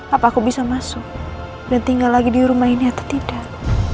apa aku bisa masuk dan tinggal lagi di rumah ini atau tidak